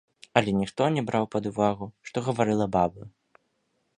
Але ніхто не браў пад увагу, што гаварыла баба.